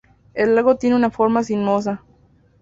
El lago tiene una forma sinuosa.